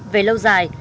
về lâu dài